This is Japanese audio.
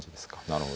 なるほど。